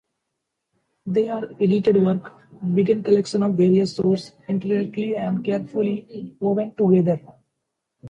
They are edited works, being collections of various sources intricately and carefully woven together.